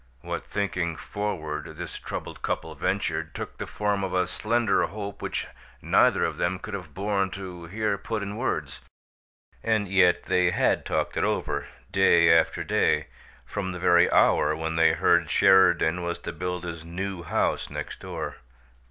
What thinking forward this troubled couple ventured took the form of a slender hope which neither of them could have borne to hear put in words, and yet they had talked it over, day after day, from the very hour when they heard Sheridan was to build his New House next door.